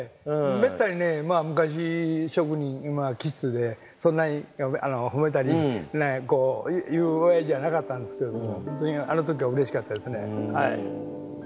めったにねまあ昔職人気質でそんなに褒めたり何やこう言うおやじじゃなかったんですけれども本当にあの時はうれしかったですね。